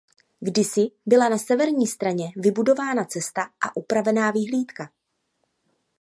Kdysi byla na severní straně vybudována cesta a upravená vyhlídka.